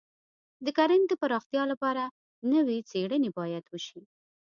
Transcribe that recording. د کرنې د پراختیا لپاره نوې څېړنې باید وشي.